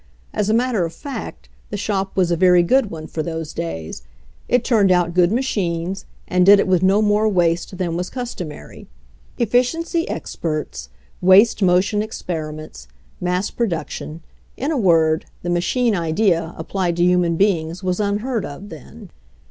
As a matter of fact, the shop was a very good one for those days. It turned out good machines, and did it with no more waste than was cus tomary. Efficiency experts, waste motion experi ments, mass production — in a word, the machine idea applied to human beings was unheard of then.